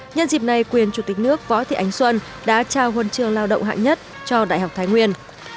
nhân dịp này quyền chủ tịch nước võ thị ánh xuân đã trao huân trường lao động hạng nhất cho đại học thái nguyên